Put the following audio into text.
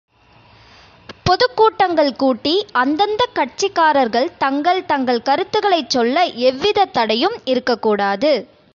பொதுக் கூட்டங்கள் கூட்டி அந்தந்த கட்சிக்காரர்கள் தங்கள் தங்கள் கருத்துக்களைச் சொல்ல எவ்விதத் தடையும் இருக்கக் கூடாது.